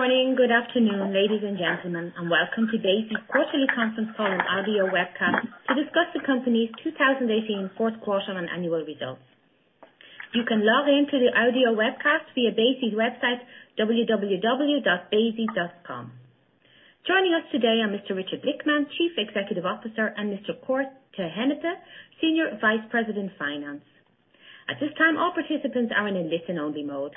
Good morning, good afternoon, ladies and gentlemen, and welcome to Besi's quarterly conference call and audio webcast to discuss the company's 2018 fourth quarter and annual results. You can log in to the audio webcast via besi.com. Joining us today are Mr. Richard Blickman, Chief Executive Officer, and Mr. Cor te Hennepe, Senior Vice President, Finance. At this time, all participants are in a listen-only mode.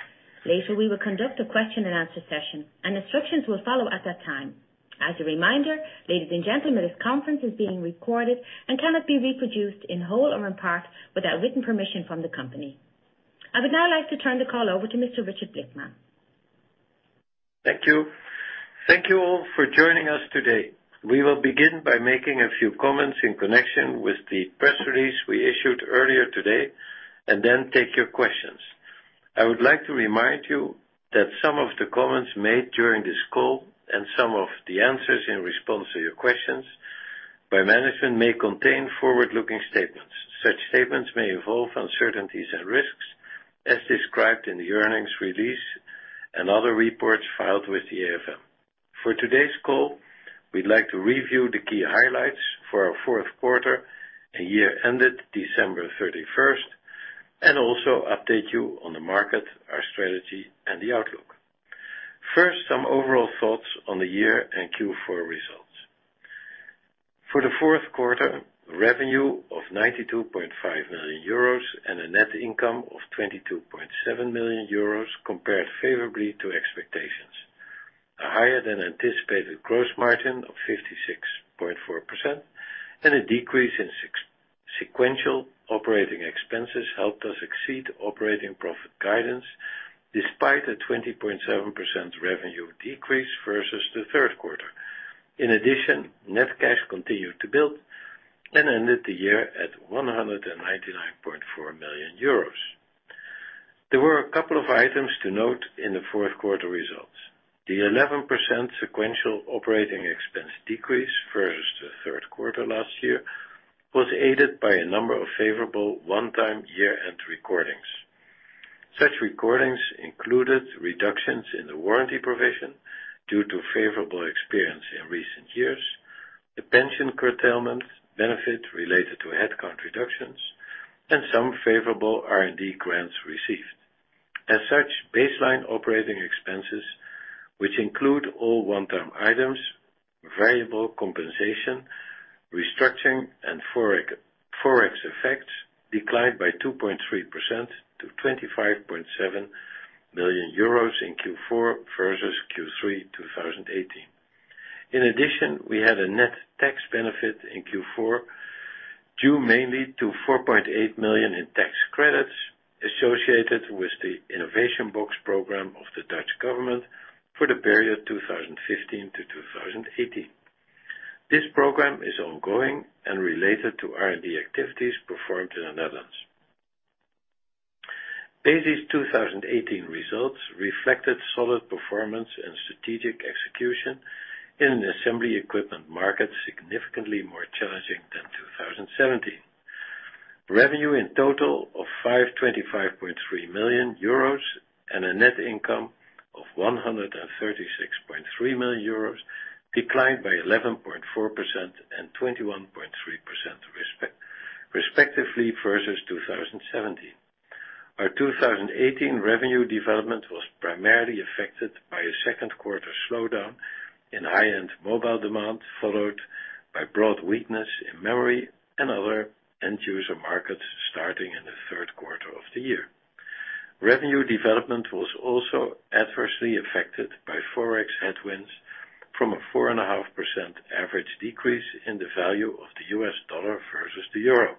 Later, we will conduct a question and answer session, and instructions will follow at that time. As a reminder, ladies and gentlemen, this conference is being recorded and cannot be reproduced in whole or in part without written permission from the company. I would now like to turn the call over to Mr. Richard Blickman. Thank you all for joining us today. We will begin by making a few comments in connection with the press release we issued earlier today. Then take your questions. I would like to remind you that some of the comments made during this call and some of the answers in response to your questions by management may contain forward-looking statements. Such statements may involve uncertainties and risks, as described in the earnings release and other reports filed with the AFM. For today's call, we'd like to review the key highlights for our fourth quarter and year ended December 31st. Also update you on the market, our strategy, and the outlook. First, some overall thoughts on the year and Q4 results. For the fourth quarter, revenue of 92.5 million euros and a net income of 22.7 million euros compared favorably to expectations. A higher-than-anticipated gross margin of 56.4% and a decrease in sequential operating expenses helped us exceed operating profit guidance, despite a 20.7% revenue decrease versus the third quarter. In addition, net cash continued to build and ended the year at 199.4 million euros. There were a couple of items to note in the fourth quarter results. The 11% sequential operating expense decrease versus the third quarter last year was aided by a number of favorable one-time year-end recordings. Such recordings included reductions in the warranty provision due to favorable experience in recent years, the pension curtailment benefit related to headcount reductions, and some favorable R&D grants received. As such, baseline operating expenses, which include all one-time items, variable compensation, restructuring, and Forex effects, declined by 2.3% to 25.7 million euros in Q4 versus Q3 2018. In addition, we had a net tax benefit in Q4, due mainly to 4.8 million in tax credits associated with the Innovation Box program of the Dutch government for the period 2015 to 2018. This program is ongoing and related to R&D activities performed in the Netherlands. Besi's 2018 results reflected solid performance and strategic execution in an assembly equipment market significantly more challenging than 2017. Revenue in total of 525.3 million euros and a net income of 136.3 million euros, declined by 11.4% and 21.3% respectively, versus 2017. Our 2018 revenue development was primarily affected by a second quarter slowdown in high-end mobile demand, followed by broad weakness in memory and other end-user markets starting in the third quarter of the year. Revenue development was also adversely affected by Forex headwinds from a 4.5% average decrease in the value of the U.S. dollar versus the euro.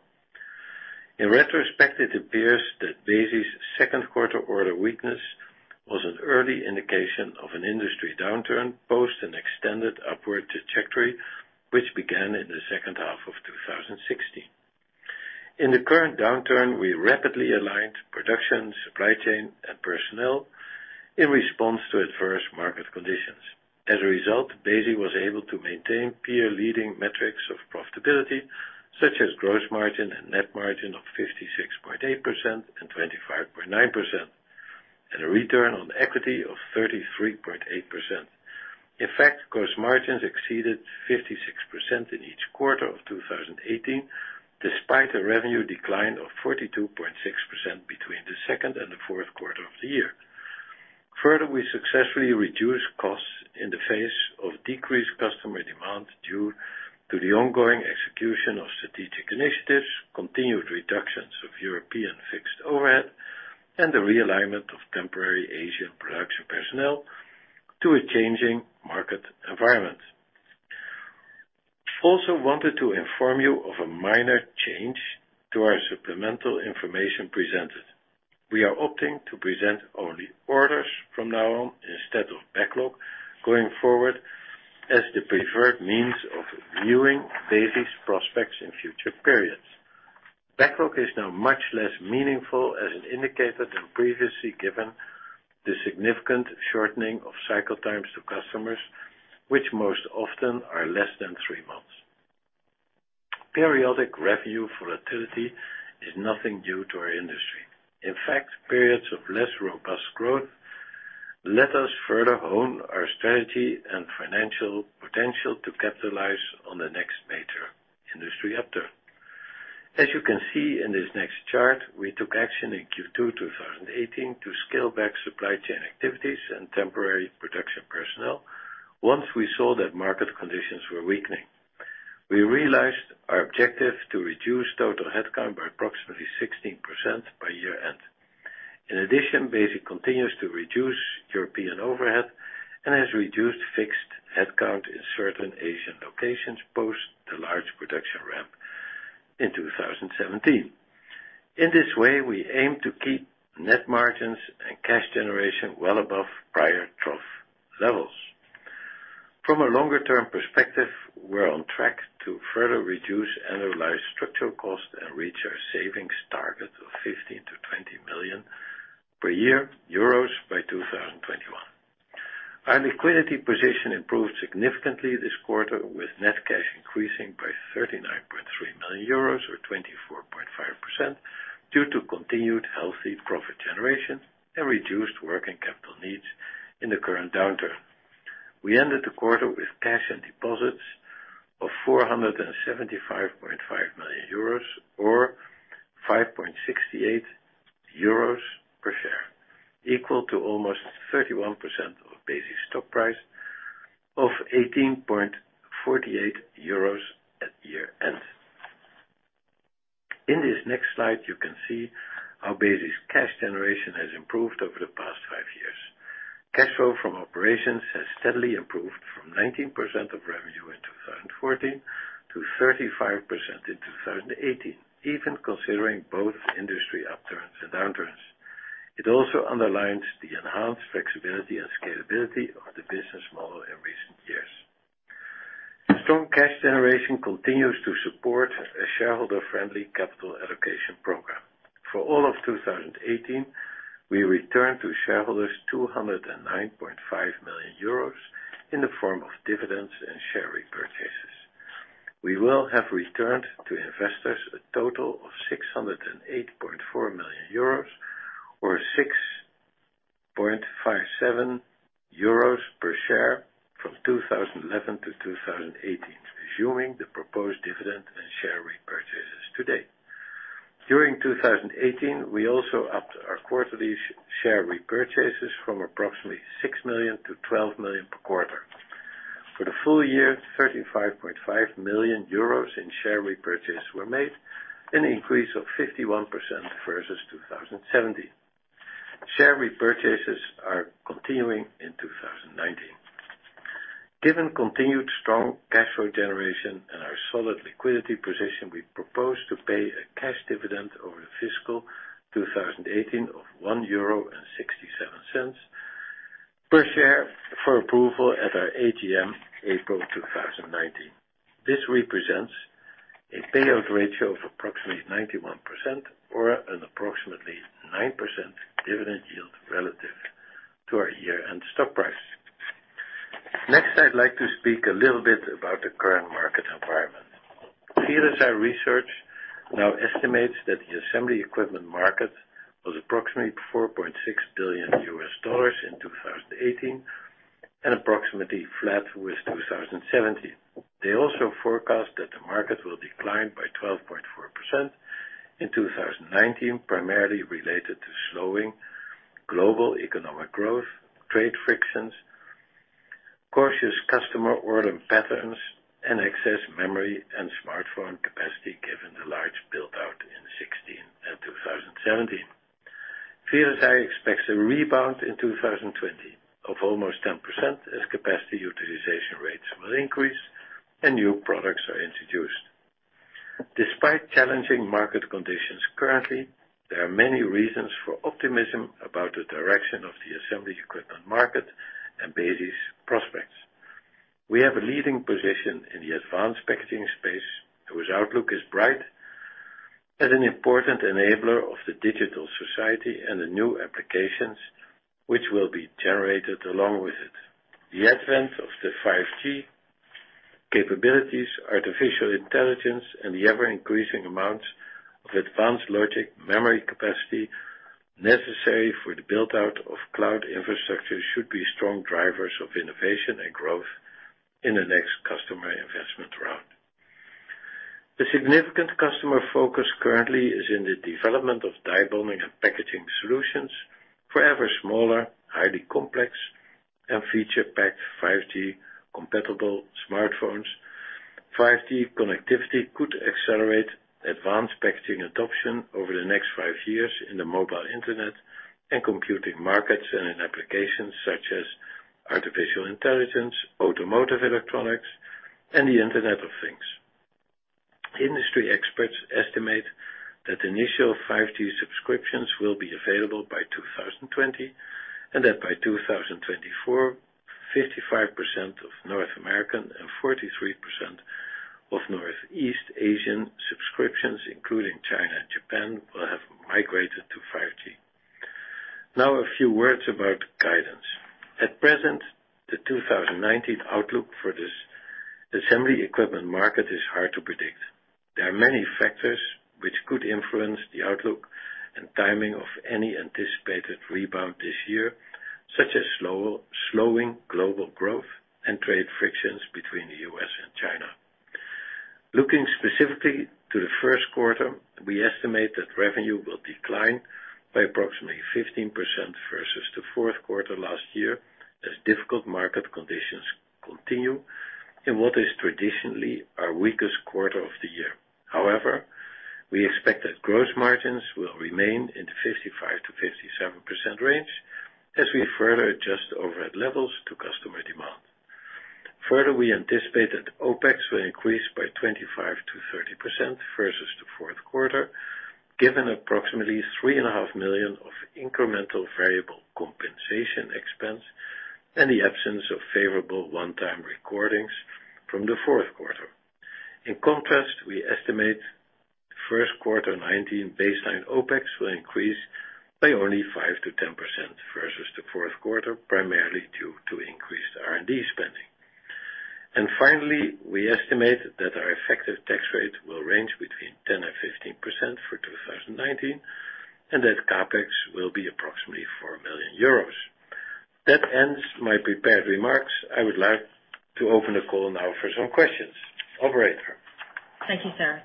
In retrospect, it appears that Besi's second quarter order weakness was an early indication of an industry downturn post an extended upward trajectory, which began in the second half of 2016. In the current downturn, we rapidly aligned production, supply chain, and personnel in response to adverse market conditions. As a result, Besi was able to maintain peer-leading metrics of profitability, such as gross margin and net margin of 56.8% and 25.9%, and a return on equity of 33.8%. In fact, gross margins exceeded 56% in each quarter of 2018, despite a revenue decline of 42.6% between the second and the fourth quarter of the year. Further, we successfully reduced costs in the face of decreased customer demand due to the ongoing execution of strategic initiatives, continued reductions of European fixed overhead, and the realignment of temporary Asian production personnel to a changing market environment. Wanted to inform you of a minor change to our supplemental information presented. We are opting to present only orders from now on instead of backlog going forward as the preferred means of viewing Besi's prospects in future periods. Backlog is now much less meaningful as an indicator than previously given the significant shortening of cycle times to customers, which most often are less than three months. Periodic revenue volatility is nothing new to our industry. In fact, periods of less robust growth let us further hone our strategy and financial potential to capitalize on the next major industry upturn. As you can see in this next chart, we took action in Q2 2018 to scale back supply chain activities and temporary production personnel, once we saw that market conditions were weakening. We realized our objective to reduce total headcount by approximately 16% by year-end. In addition, Besi continues to reduce European overhead and has reduced fixed headcount in certain Asian locations post the large production ramp in 2017. In this way, we aim to keep net margins and cash generation well above prior trough levels. From a longer-term perspective, we're on track to further reduce annualized structural cost and reach our savings target of 15 million to 20 million per year by 2021. Our liquidity position improved significantly this quarter, with net cash increasing by 39.3 million euros or 24.5% due to continued healthy profit generation and reduced working capital needs in the current downturn. We ended the quarter with cash and deposits of 475.5 million euros or 5.68 euros per share, equal to almost 31% of Besi's stock price of 18.48 euros at year-end. In this next slide, you can see how Besi's cash generation has improved over the past five years. Cash flow from operations has steadily improved from 19% of revenue in 2014 to 35% in 2018, even considering both industry upturns and downturns. It also underlines the enhanced flexibility and scalability of the business model in recent years. Strong cash generation continues to support a shareholder-friendly capital allocation program. For all of 2018, we returned to shareholders 209.5 million euros in the form of dividends and share repurchases. We will have returned to investors a total of 608.4 million euros or 6.57 euros per share from 2011 to 2018, assuming the proposed dividend and share repurchases to date. During 2018, we also upped our quarterly share repurchases from approximately 6 million to 12 million per quarter. For the full year, 35.5 million euros in share repurchases were made, an increase of 51% versus 2017. Share repurchases are continuing in 2019. Given continued strong cash flow generation and our solid liquidity position, we propose to pay a cash dividend over the fiscal 2018 of 1.67 euro per share for approval at our AGM, April 2019. This represents a payout ratio of approximately 91% or an approximately 9% dividend yield relative to our year-end stock price. I'd like to speak a little bit about the current market environment. VLSI Research now estimates that the assembly equipment market was approximately $4.6 billion in 2018 and approximately flat with 2017. They also forecast that the market will decline by 12.4% in 2019, primarily related to slowing global economic growth, trade frictions, cautious customer order patterns, and excess memory and smartphone capacity given the large build-out in 2016 and 2017. VLSI expects a rebound in 2020 of almost 10% as capacity utilization rates will increase and new products are introduced. Despite challenging market conditions currently, there are many reasons for optimism about the direction of the assembly equipment market and Besi's prospects. We have a leading position in the advanced packaging space, whose outlook is bright as an important enabler of the digital society and the new applications which will be generated along with it. The advent of the 5G capabilities, artificial intelligence, and the ever-increasing amounts of advanced logic memory capacity necessary for the build-out of cloud infrastructure should be strong drivers of innovation and growth in the next customer investment round. The significant customer focus currently is in the development of die bonding and packaging solutions for ever smaller, highly complex, and feature-packed 5G-compatible smartphones. 5G connectivity could accelerate advanced packaging adoption over the next five years in the mobile internet and computing markets, and in applications such as artificial intelligence, automotive electronics, and the Internet of Things. Industry experts estimate that initial 5G subscriptions will be available by 2020, and that by 2024, 55% of North American and 43% of Northeast Asian subscriptions, including China and Japan, will have migrated to 5G. A few words about guidance. At present, the 2019 outlook for this assembly equipment market is hard to predict. There are many factors which could influence the outlook and timing of any anticipated rebound this year, such as slowing global growth and trade frictions between the U.S. and China. Looking specifically to the first quarter, we estimate that revenue will decline by approximately 15% versus the fourth quarter last year, as difficult market conditions continue in what is traditionally our weakest quarter of the year. However, we expect that gross margins will remain in the 55%-57% range, as we further adjust overhead levels to customer demand. We anticipate that OpEx will increase by 25%-30% versus the fourth quarter, given approximately three and a half million of incremental variable compensation expense and the absence of favorable one-time recordings from the fourth quarter. In contrast, we estimate first quarter 2019 baseline OpEx will increase by only 5%-10% versus the fourth quarter, primarily due to increased R&D spending. Finally, we estimate that our effective tax rate will range between 10% and 15% for 2019, and that CapEx will be approximately 4 million euros. That ends my prepared remarks. I would like to open the call now for some questions. Operator. Thank you, sir.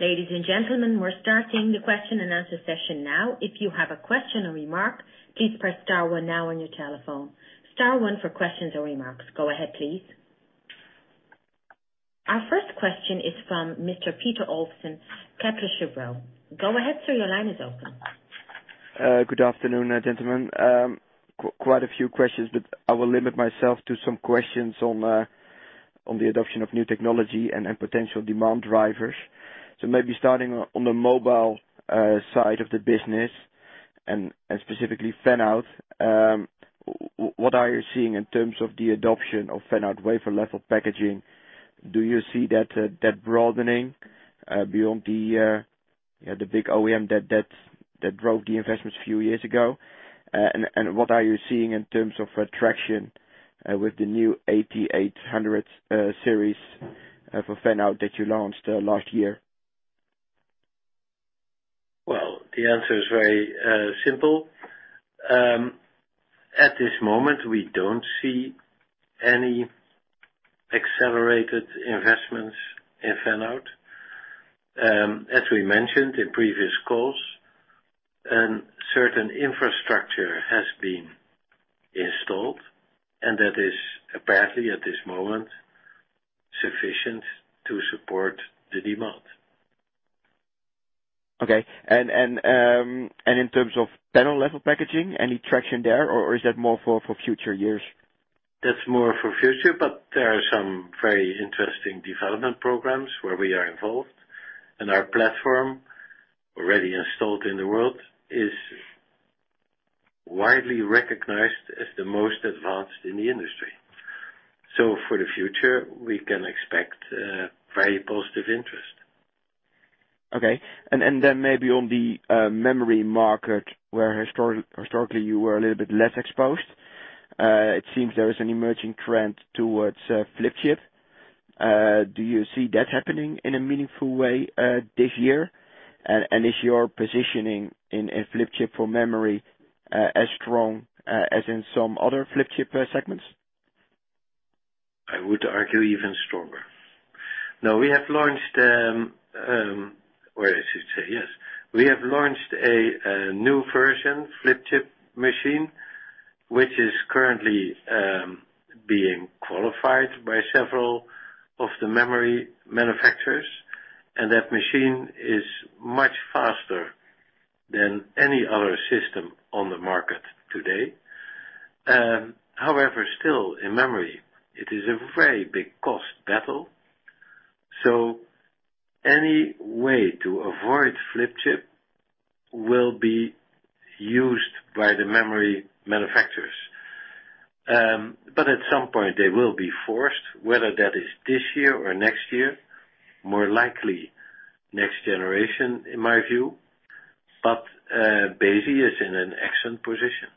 Ladies and gentlemen, we're starting the question and answer session now. If you have a question or remark, please press star one now on your telephone. Star one for questions or remarks. Go ahead, please. Our first question is from Mr. Peter Olsen, Kepler Cheuvreux. Go ahead, sir, your line is open. Good afternoon, gentlemen. Quite a few questions, but I will limit myself to some questions on the adoption of new technology and potential demand drivers. Maybe starting on the mobile side of the business and specifically fan-out. What are you seeing in terms of the adoption of fan-out wafer-level packaging? Do you see that broadening beyond the big OEM that drove the investments a few years ago? What are you seeing in terms of traction with the new AP-800 series for fan-out that you launched last year? Well, the answer is very simple. At this moment, we don't see any accelerated investments in fan-out. As we mentioned in previous calls, certain infrastructure has been installed, and that is apparently, at this moment, sufficient to support the demand. Okay. In terms of Panel-level packaging, any traction there, or is that more for future years? That's more for future, there are some very interesting development programs where we are involved, and our platform, already installed in the world, is widely recognized as the most advanced in the industry. For the future, we can expect very positive interest. Okay. Maybe on the memory market, where historically you were a little bit less exposed. It seems there is an emerging trend towards flip-chip. Do you see that happening in a meaningful way this year? Is your positioning in flip-chip for memory as strong as in some other flip-chip segments? I would argue even stronger. We have launched a new version flip-chip machine, which is currently being qualified by several of the memory manufacturers, and that machine is much faster than any other system on the market today. However, still, in memory, it is a very big cost battle, so any way to avoid flip-chip will be used by the memory manufacturers. At some point they will be forced, whether that is this year or next year, more likely next generation, in my view. Besi is in an excellent position.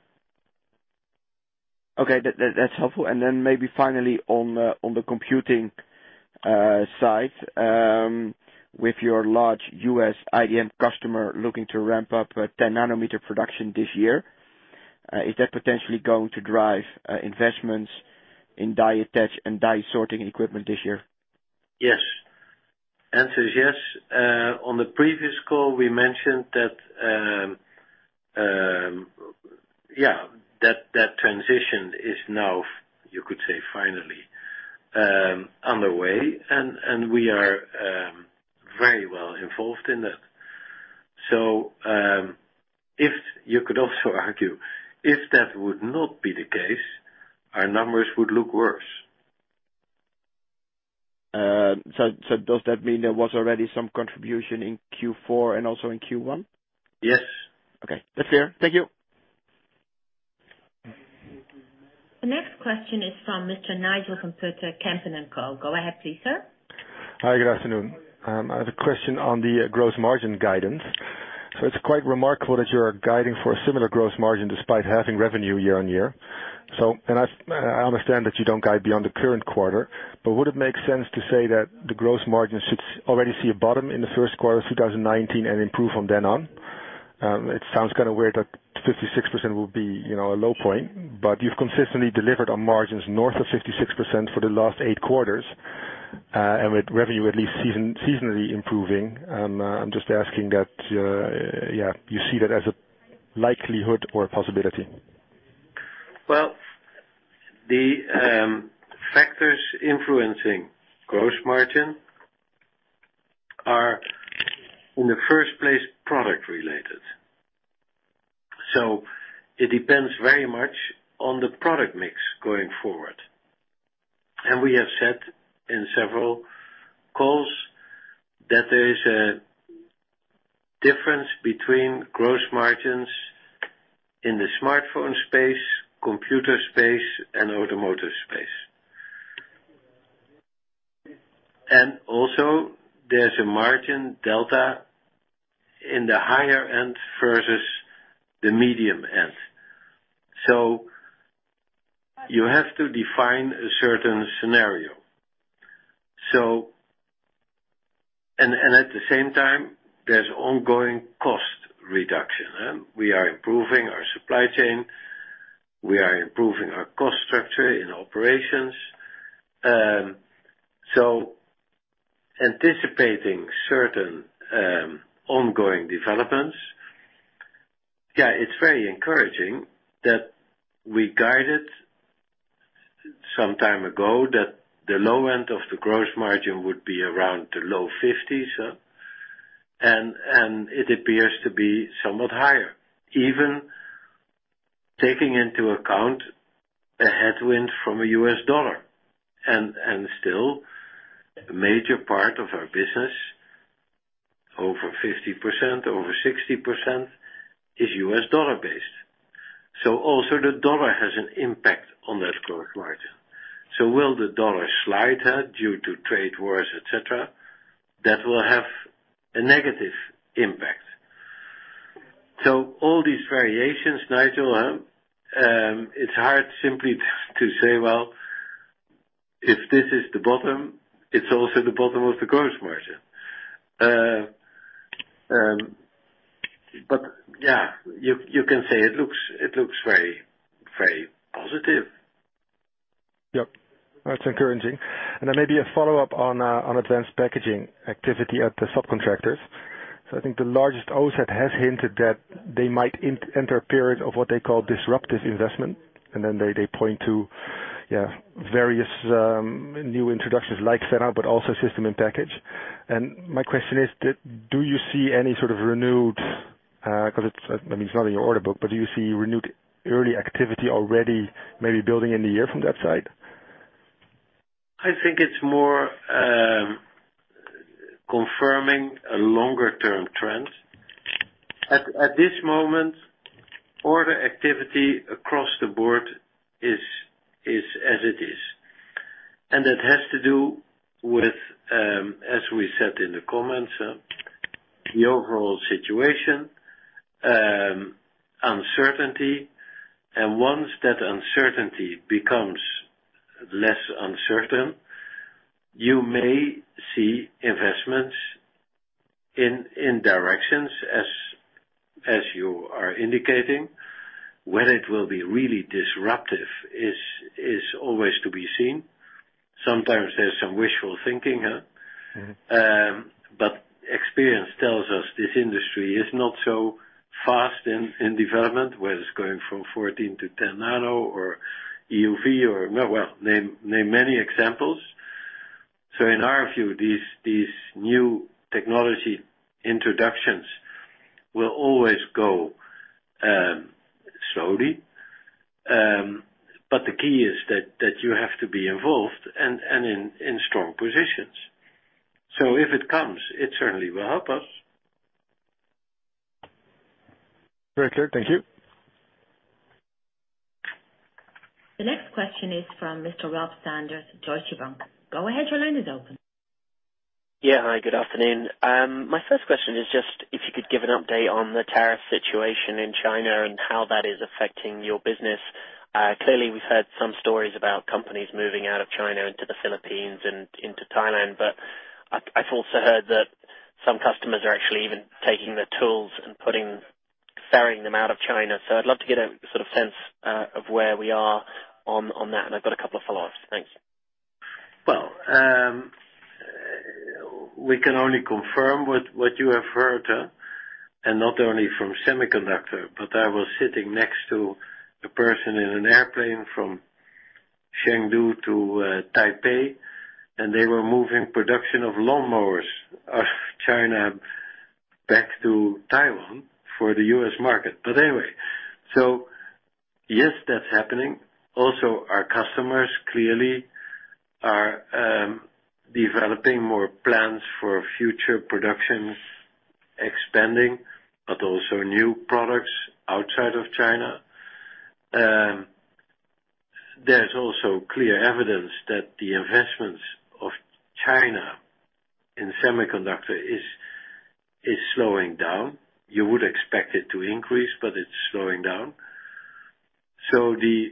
Okay. That's helpful. Maybe finally on the computing side, with your large U.S. IDM customer looking to ramp up 10 nanometer production this year, is that potentially going to drive investments in die-attach and die sorting equipment this year? Yes. Answer is yes. On the previous call, we mentioned that transition is now, you could say, finally underway, and we are very well involved in that. You could also argue, if that would not be the case, our numbers would look worse. Does that mean there was already some contribution in Q4 and also in Q1? Yes. Okay. That's clear. Thank you. The next question is from Mr. Nigel van Putten, Kempen & Co. Go ahead please, sir. Hi, good afternoon. I have a question on the gross margin guidance. It's quite remarkable that you're guiding for a similar gross margin despite halving revenue year-over-year. I understand that you don't guide beyond the current quarter, but would it make sense to say that the gross margin should already see a bottom in the first quarter of 2019 and improve from then on? It sounds kind of weird that 56% will be a low point, but you've consistently delivered on margins north of 56% for the last eight quarters. With revenue at least seasonally improving, I'm just asking that, you see that as a likelihood or a possibility? Well, the factors influencing gross margin are in the first place, product related. It depends very much on the product mix going forward. We have said in several calls that there is a difference between gross margins in the smartphone space, computer space, and automotive space. Also, there's a margin delta in the higher end versus the medium end. You have to define a certain scenario. At the same time, there's ongoing cost reduction. We are improving our supply chain, we are improving our cost structure in operations. Anticipating certain ongoing developments, it's very encouraging that we guided some time ago that the low end of the gross margin would be around the low 50s. It appears to be somewhat higher, even taking into account a headwind from a U.S. dollar, still a major part of our business, over 50%, over 60% is U.S. dollar-based. Also the dollar has an impact on that gross margin. Will the dollar slide due to trade wars, et cetera? That will have a negative impact. All these variations, Nigel, it's hard simply to say, well, if this is the bottom, it's also the bottom of the gross margin. Yeah, you can say it looks very positive. Yep. That's encouraging. Maybe a follow-up on advanced packaging activity at the subcontractors. I think the largest OSAT has hinted that they might enter a period of what they call disruptive investment. They point to various new introductions like SiP but also system in package. My question is, do you see any sort of renewed, because it's not in your order book, but do you see renewed early activity already maybe building in the year from that side? I think it's more confirming a longer-term trend. At this moment, order activity across the board is as it is. That has to do with, as we said in the comments, the overall situation, uncertainty. Once that uncertainty becomes less uncertain, you may see investments in directions as you are indicating. When it will be really disruptive is always to be seen. Sometimes there's some wishful thinking. Experience tells us this industry is not so fast in development, whether it's going from 14 to 10 nanometer or EUV or, well, name many examples. In our view, these new technology introductions will always go slowly. The key is that you have to be involved and in strong positions. If it comes, it certainly will help us. Very clear. Thank you. The next question is from Mr. Robert Sanders, Deutsche Bank. Go ahead, your line is open. Yeah. Hi, good afternoon. My first question is just if you could give an update on the tariff situation in China and how that is affecting your business. Clearly, we've heard some stories about companies moving out of China into the Philippines and into Thailand. I've also heard that some customers are actually even taking their tools and ferrying them out of China. I'd love to get a sort of sense of where we are on that, and I've got a couple of follow-ups. Thanks. Well, we can only confirm what you have heard, and not only from Semiconductor, but I was sitting next to a person in an airplane from Chengdu to Taipei, and they were moving production of lawnmowers out of China back to Taiwan for the U.S. market. Anyway, Yes, that's happening. Our customers clearly are developing more plans for future productions, expanding, but also new products outside of China. There's clear evidence that the investments of China in semiconductor is slowing down. You would expect it to increase, but it's slowing down. The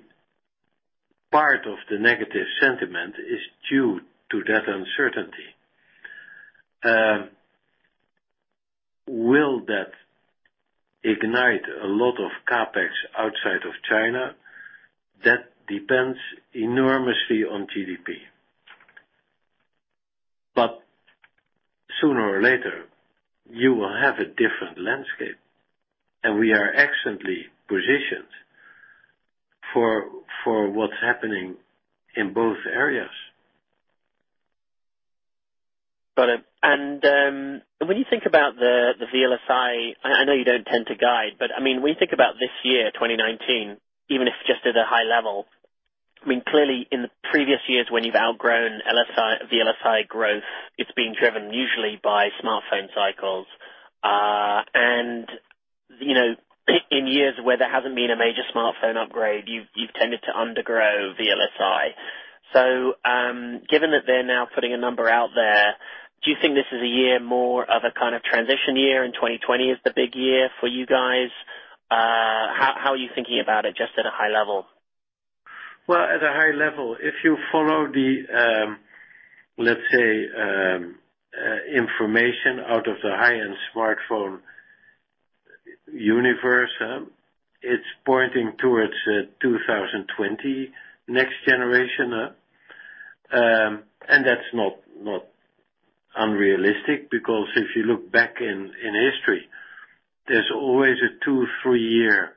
part of the negative sentiment is due to that uncertainty. Will that ignite a lot of CapEx outside of China? That depends enormously on GDP. Sooner or later, you will have a different landscape, and we are excellently positioned for what's happening in both areas. Got it. When you think about the VLSI, I know you don't tend to guide, but when you think about this year, 2019, even if just at a high level, clearly in the previous years when you've outgrown the VLSI growth, it's been driven usually by smartphone cycles. In years where there hasn't been a major smartphone upgrade, you've tended to undergrow VLSI. Given that they're now putting a number out there, do you think this is a year more of a kind of transition year and 2020 is the big year for you guys? How are you thinking about it just at a high level? Well, at a high level, if you follow the, let's say, information out of the high-end smartphone universe, it's pointing towards 2020 next generation. That's not unrealistic because if you look back in history, there's always a two, three-year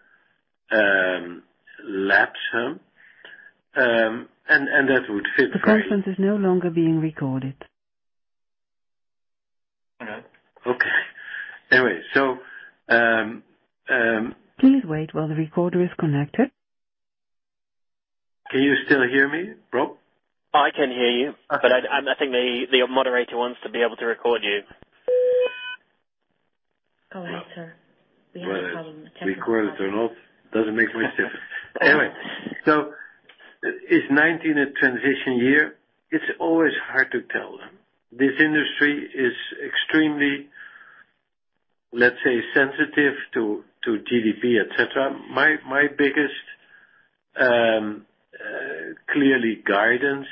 lapse. That would fit the- The conference is no longer being recorded. Okay. Anyway,- Please wait while the recorder is connected. Can you still hear me, Rob? I can hear you. Okay. I think the moderator wants to be able to record you. Go ahead, sir. We have a problem with the technical part. Recorded or not, doesn't make much difference. Anyway, is 2019 a transition year? It's always hard to tell. This industry is extremely, let's say, sensitive to GDP, et cetera. My biggest, clearly, guidance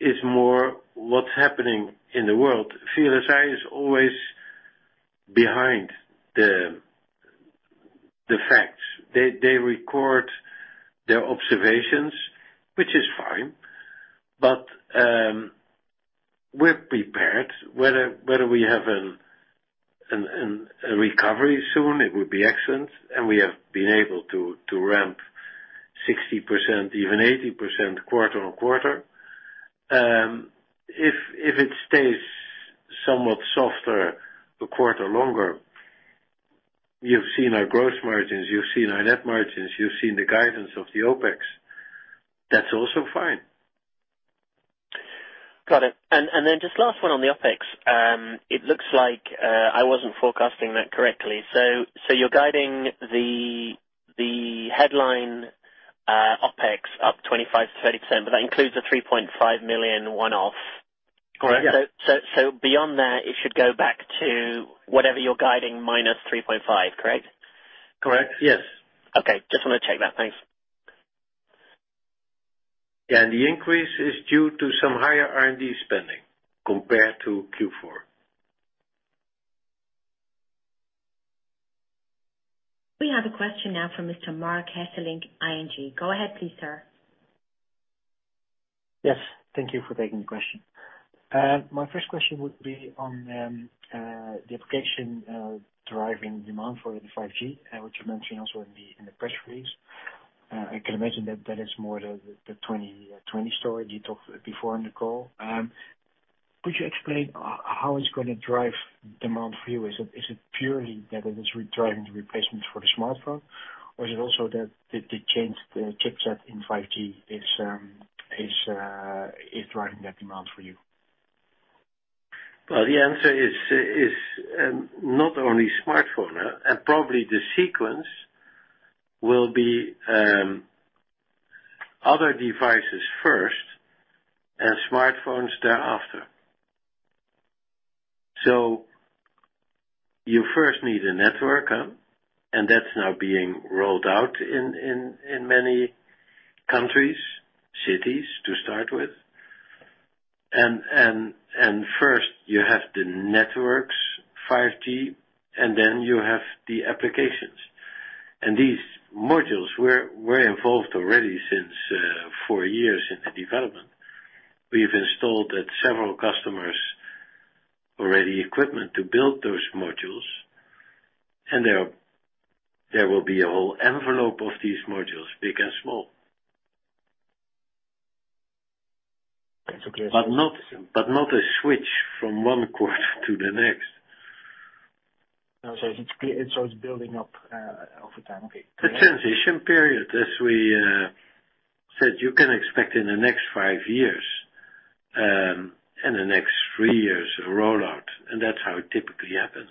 is more what's happening in the world. VLSI is always behind the facts. They record their observations, which is fine, but, we're prepared whether we have a recovery soon, it would be excellent, and we have been able to ramp 60%, even 80% quarter-on-quarter. If it stays somewhat softer a quarter longer, you've seen our gross margins, you've seen our net margins, you've seen the guidance of the OpEx. That's also fine. Got it. Just last one on the OpEx. It looks like, I wasn't forecasting that correctly. You're guiding the headline OpEx up 25%-30%, but that includes a 3.5 million one-off, correct? Yeah. Beyond that, it should go back to whatever you're guiding minus 3.5, correct? Correct. Yes. Okay. Just want to check that. Thanks. Yeah. The increase is due to some higher R&D spending compared to Q4. We have a question now from Mr. Mark Hesselink, ING. Go ahead please, sir. Yes. Thank you for taking the question. My first question would be on the application driving demand for the 5G, which you mentioned also in the press release. I can imagine that that is more the 2020 story you talked before on the call. Could you explain how it's going to drive demand for you? Is it purely that it is driving the replacements for the smartphone, or is it also that the change, the chipset in 5G is driving that demand for you? Well, the answer is not only smartphone. Probably the sequence will be other devices first and smartphones thereafter. You first need a network, and that's now being rolled out in many countries, cities to start with. First you have the networks, 5G, and then you have the applications. These modules were involved already since four years in the development. We've installed at several customers already equipment to build those modules. But not a switch from one quarter to the next. No, it's building up over time. Okay. The transition period, as we said, you can expect in the next five years, the next three years of rollout, that's how it typically happens.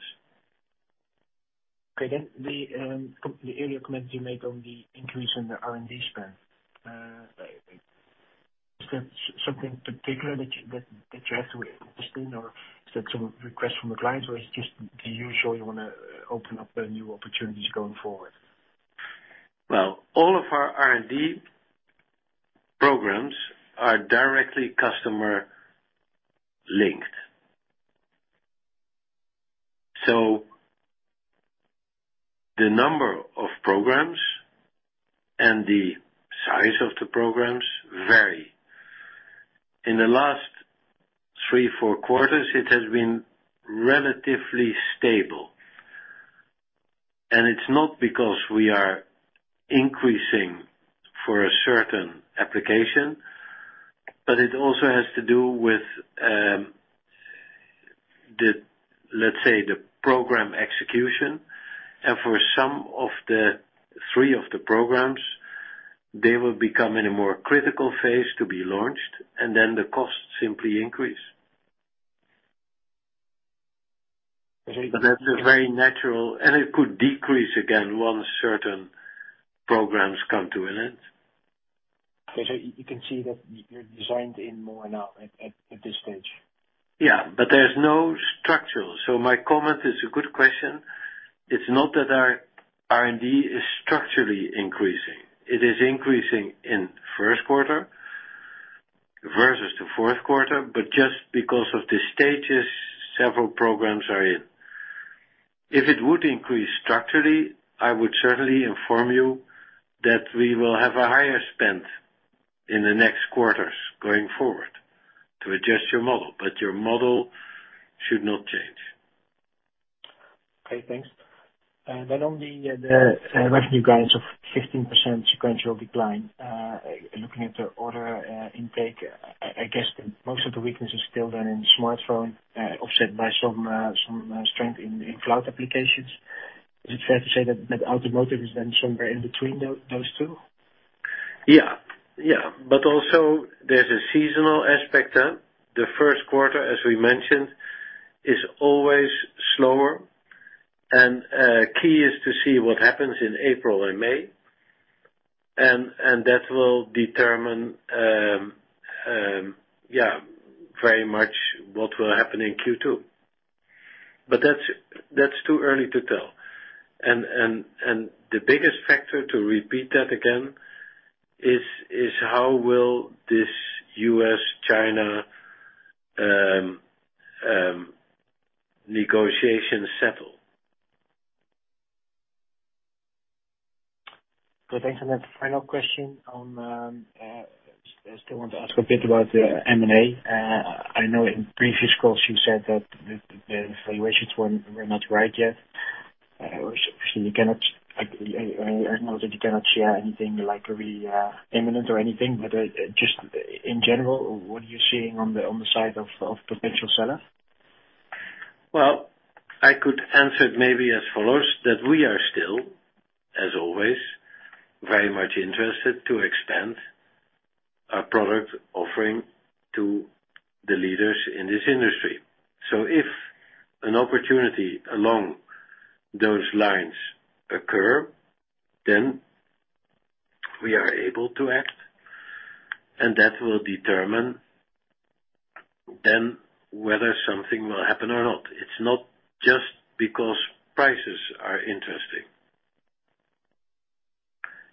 Okay, the earlier comment you made on the increase in the R&D spend. Is that something particular that you have to invest in or is that some request from the clients, or it's just the usual, you want to open up new opportunities going forward? All of our R&D programs are directly customer-linked. The number of programs and the size of the programs vary. In the last three, four quarters, it has been relatively stable. It's not because we are increasing for a certain application, but it also has to do with, let's say, the program execution. For some of the three of the programs, they will become in a more critical phase to be launched, and then the costs simply increase. That's very natural, and it could decrease again once certain programs come to an end. Okay, you can see that you're designed in more now at this stage. Yeah, there's no structural. My comment is a good question. It's not that our R&D is structurally increasing. It is increasing in first quarter versus the fourth quarter, just because of the stages several programs are in. If it would increase structurally, I would certainly inform you that we will have a higher spend in the next quarters going forward to adjust your model, but your model should not change. Okay, thanks. On the revenue guidance of 15% sequential decline, looking at the order intake, I guess most of the weakness is still in smartphone, offset by some strength in cloud applications. Is it fair to say that automotive is then somewhere in between those two? Also there's a seasonal aspect there. The first quarter, as we mentioned, is always slower, and key is to see what happens in April and May, and that will determine very much what will happen in Q2. That's too early to tell. The biggest factor, to repeat that again, is how will this U.S., China negotiation settle. Good. Thanks. Final question on, still want to ask a bit about the M&A. I know in previous calls you said that the valuations were not right yet. Obviously, I know that you cannot share anything likely imminent or anything, but just in general, what are you seeing on the side of potential sellers? Well, I could answer it maybe as follows, that we are still, as always, very much interested to expand our product offering to the leaders in this industry. If an opportunity along those lines occur, then we are able to act, and that will determine then whether something will happen or not. It's not just because prices are interesting.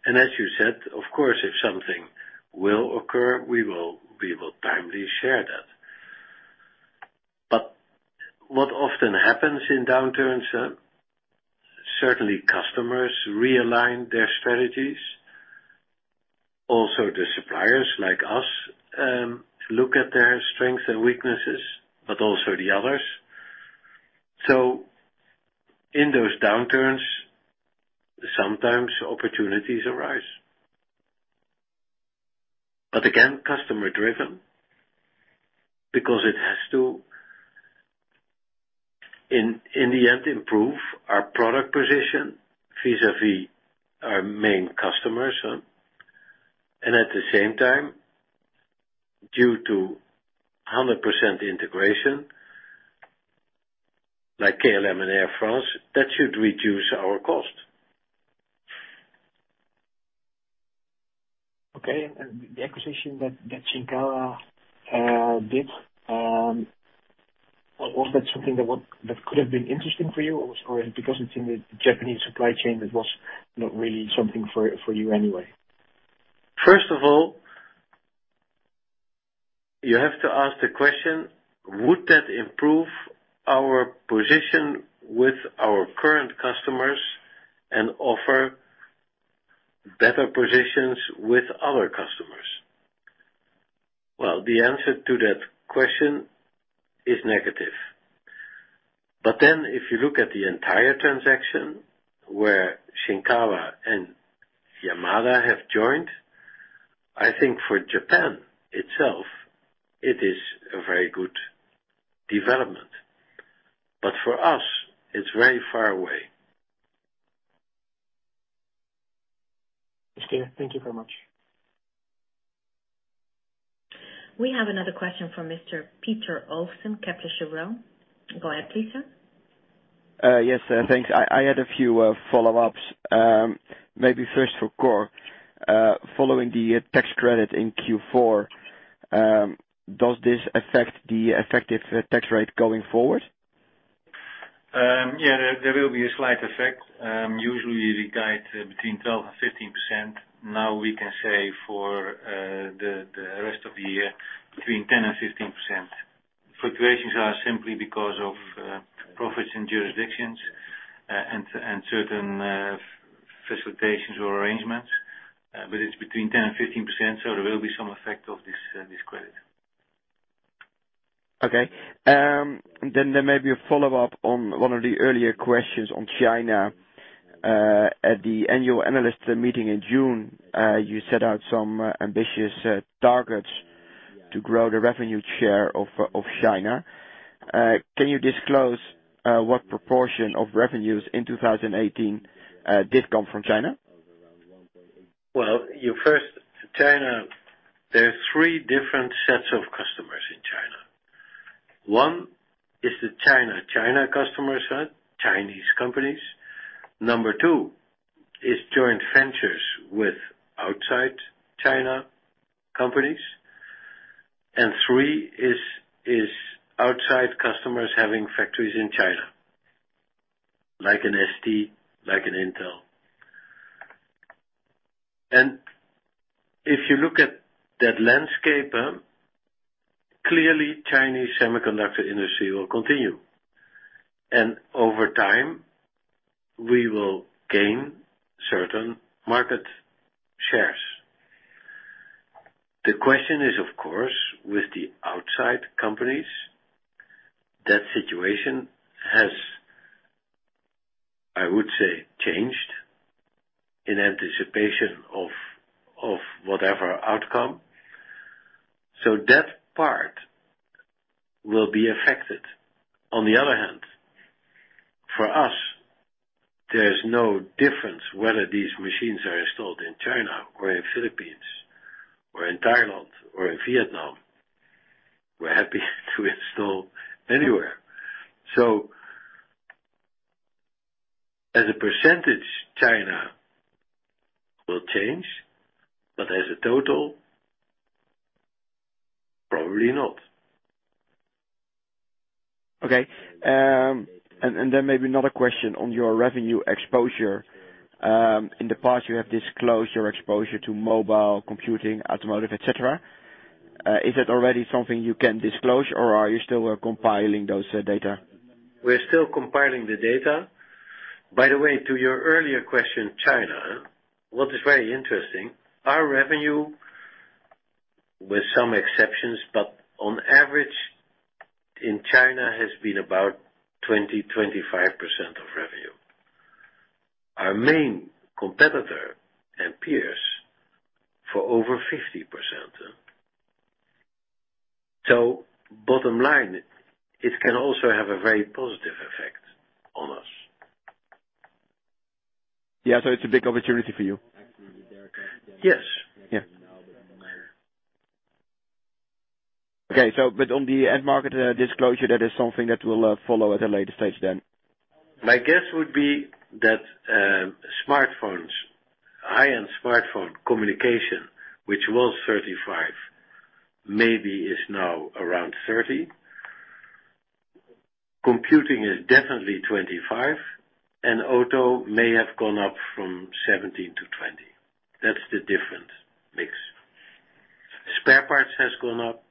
As you said, of course, if something will occur, we will timely share that. What often happens in downturns, certainly customers realign their strategies. Also, the suppliers, like us, look at their strengths and weaknesses, but also the others. In those downturns, sometimes opportunities arise. Again, customer-driven because it has to, in the end, improve our product position vis-a-vis our main customers. At the same time, due to 100% integration, like KLM and Air France, that should reduce our cost. Okay. The acquisition that SHINKAWA did, was that something that could have been interesting for you? Because it's in the Japanese supply chain, that was not really something for you anyway. First of all, you have to ask the question, would that improve our position with our current customers and offer better positions with other customers? Well, the answer to that question is negative. If you look at the entire transaction where SHINKAWA and Yamada have joined, I think for Japan itself, it is a very good development. For us, it's very far away. Thank you very much. We have another question from [Mr. Pieter Olsthoorn], Kepler Cheuvreux. Go ahead, [Pieter]. Yes, thanks. I had a few follow-ups. Maybe first for Cor. Following the tax credit in Q4, does this affect the effective tax rate going forward? Yeah, there will be a slight effect. Usually, we guide between 12% and 15%. Now we can say for the rest of the year, between 10% and 15%. Fluctuations are simply because of profits in jurisdictions and certain facilitations or arrangements, but it's between 10% and 15%, so there will be some effect of this credit. Okay. There may be a follow-up on one of the earlier questions on China. At the annual analyst meeting in June, you set out some ambitious targets to grow the revenue share of China. Can you disclose what proportion of revenues in 2018 did come from China? Well, first, China, there are three different sets of customers in China. One is the China customers set, Chinese companies. Number 2 is joint ventures with outside China companies, and three is outside customers having factories in China, like an STMicroelectronics, like an Intel. If you look at that landscape, clearly Chinese semiconductor industry will continue. Over time, we will gain certain market shares. The question is, of course, with the outside companies, that situation has, I would say, changed in anticipation of whatever outcome. That part will be affected. On the other hand, for us, there's no difference whether these machines are installed in China or in Philippines or in Thailand or in Vietnam. We're happy to install anywhere. As a percentage, China will change, but as a total, probably not. Okay. Maybe another question on your revenue exposure. In the past, you have disclosed your exposure to mobile computing, automotive, et cetera. Is it already something you can disclose, or are you still compiling those data? We're still compiling the data. To your earlier question, China, what is very interesting, our revenue, with some exceptions, but on average in China has been about 20%-25% of revenue. Our main competitor and peers for over 50%. Bottom line, it can also have a very positive effect on us. Yeah. It's a big opportunity for you. Yes. Yeah. Okay. On the end market disclosure, that is something that will follow at a later stage then. My guess would be that smartphones, high-end smartphone communication, which was 35%, maybe is now around 30%. Computing is definitely 25%, and auto may have gone up from 17%-20%. That's the different mix. Spare parts has gone up,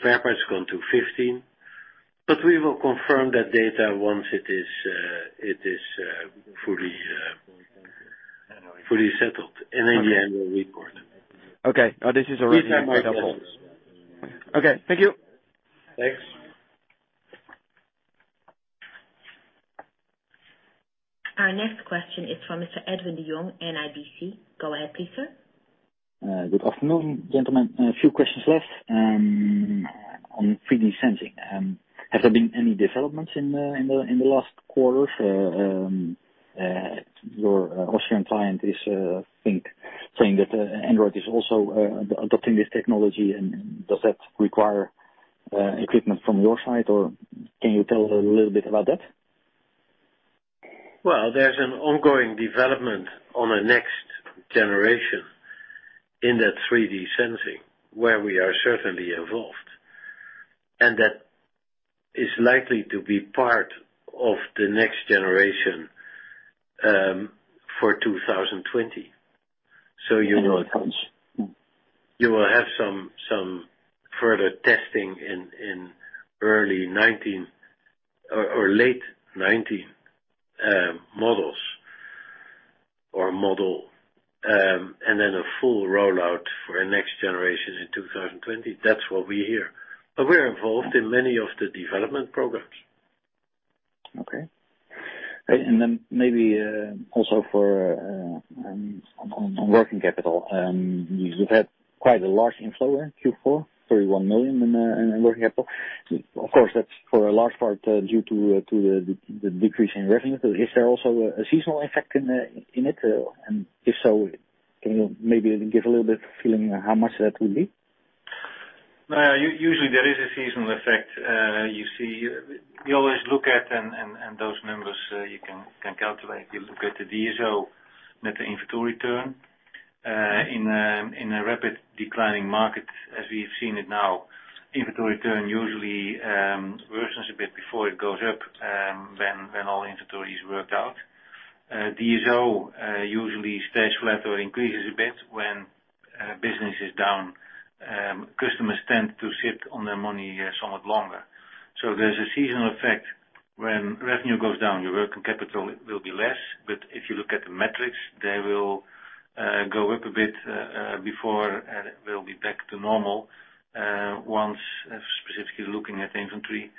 spare parts has gone to 15%, but we will confirm that data once it is fully settled. Okay. in the annual report. Okay. This is. These are my guesses. Okay. Thank you. Thanks. Our next question is from Mr. Edwin de Jong, NIBC. Go ahead, please, sir. Good afternoon, gentlemen. A few questions left on 3D sensing. Has there been any developments in the last quarter? Your Austrian client is, I think, saying that Android is also adopting this technology. Does that require equipment from your side, or can you tell a little bit about that? Well, there's an ongoing development on a next generation in that 3D sensing, where we are certainly involved, and that is likely to be part of the next generation, for 2020. Okay. You will have some further testing in early 2019 or late 2019, models. Model, then a full rollout for our next generation in 2020. That's what we hear. We're involved in many of the development programs. Maybe also on working capital, you've had quite a large inflow in Q4, 31 million in working capital. Of course, that's for a large part due to the decrease in revenue. Is there also a seasonal effect in it? If so, can you maybe give a little bit of a feeling how much that would be? Usually there is a seasonal effect. We always look at, those numbers you can calculate. You look at the DSO net inventory turn. In a rapid declining market, as we've seen it now, inventory turn usually worsens a bit before it goes up, then when all inventory is worked out. DSO usually stays flat or increases a bit when business is down. Customers tend to sit on their money somewhat longer. There's a seasonal effect. When revenue goes down, your working capital will be less. If you look at the metrics, they will go up a bit before they'll be back to normal. Specifically looking at the inventory,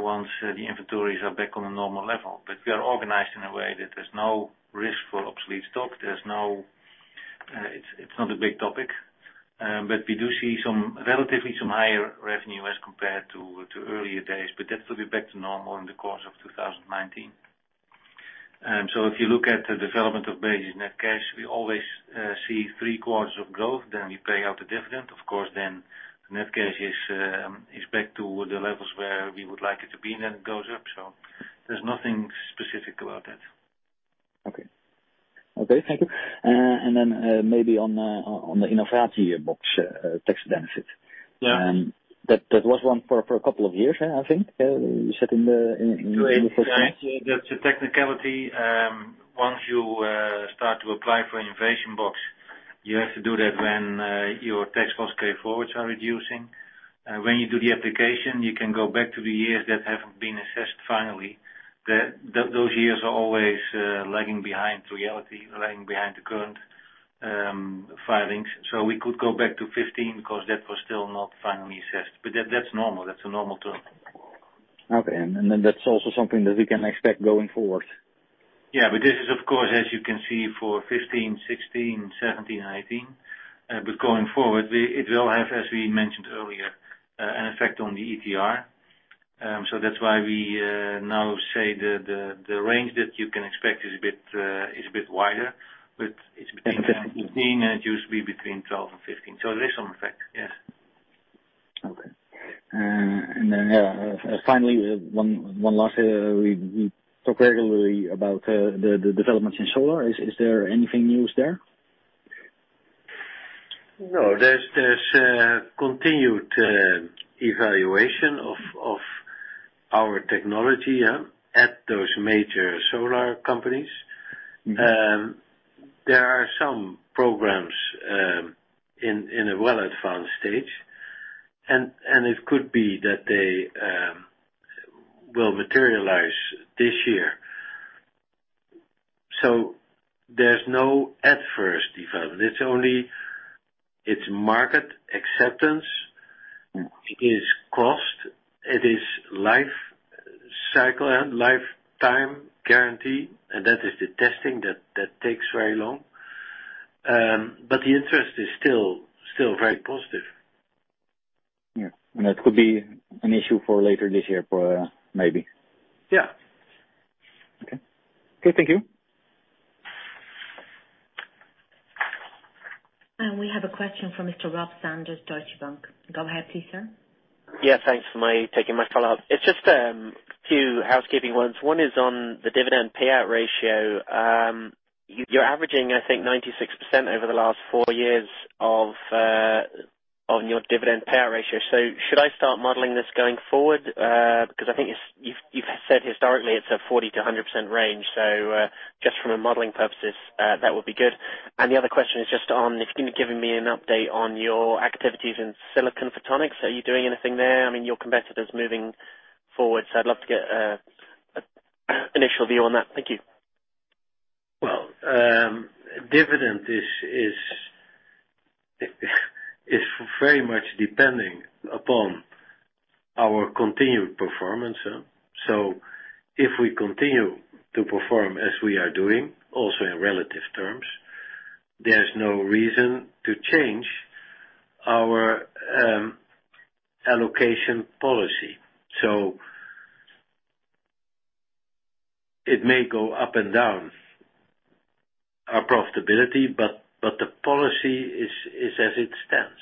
once the inventories are back on a normal level. We are organized in a way that there's no risk for obsolete stock. It's not a big topic. We do see relatively some higher revenue as compared to earlier days, that will be back to normal in the course of 2019. If you look at the development of Besi net cash, we always see three quarters of growth, we pay out the dividend. Of course, net cash is back to the levels where we would like it to be, it goes up. There's nothing specific about that. Okay. Thank you. Maybe on the Innovation Box tax benefit. Yeah. That was one for a couple of years, I think, you said in the first half. That's a technicality. Once you start to apply for Innovation Box, you have to do that when your tax loss carryforwards are reducing. When you do the application, you can go back to the years that haven't been assessed finally. Those years are always lagging behind reality, lagging behind the current filings. We could go back to 2015 because that was still not finally assessed. That's normal. That's a normal term. Okay. That's also something that we can expect going forward. This is, of course, as you can see, for 2015, 2016, 2017, 2018. Going forward, it will have, as we mentioned earlier, an effect on the ETR. That's why we now say the range that you can expect is a bit wider, but it's between and it used to be between 12 and 15. There is some effect, yes. Okay. Finally, one last. We talk regularly about the developments in solar. Is there anything new there? No, there's continued evaluation of our technology at those major solar companies. There are some programs in a well advanced stage, and it could be that they will materialize this year. There's no adverse development. It's market acceptance, it is cost, it is life cycle and lifetime guarantee, and that is the testing that takes very long. The interest is still very positive. That could be an issue for later this year, maybe. Yeah. Okay. Thank you. We have a question from Mr. Robert Sanders, Deutsche Bank. Go ahead, please, sir. Thanks for taking my call. It's just a few housekeeping ones. One is on the dividend payout ratio. You're averaging, I think, 96% over the last four years on your dividend payout ratio. Should I start modeling this going forward? Because I think you've said historically it's a 40%-100% range. Just from a modeling purposes, that would be good. The other question is just on if you can give me an update on your activities in silicon photonics. Are you doing anything there? Your competitors moving forward, so I'd love to get an initial view on that. Thank you. Well, dividend is very much depending upon our continued performance. If we continue to perform as we are doing, also in relative terms, there's no reason to change our allocation policy. It may go up and down, our profitability, but the policy is as it stands.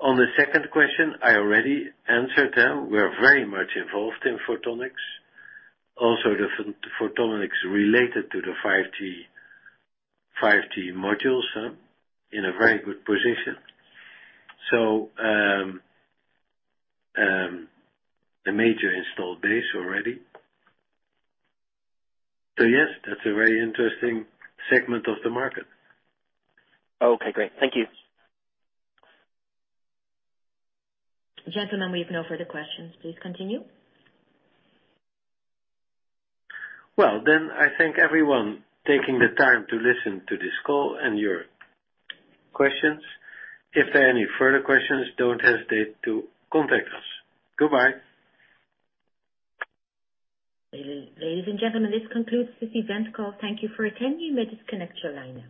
On the second question, I already answered. We are very much involved in photonics. Also, the photonics related to the 5G modules are in a very good position. A major installed base already. Yes, that's a very interesting segment of the market. Okay, great. Thank you. Gentlemen, we've no further questions. Please continue. Well, I thank everyone taking the time to listen to this call and your questions. If there are any further questions, don't hesitate to contact us. Goodbye. Ladies and gentlemen, this concludes this event call. Thank you for attending. You may disconnect your line now.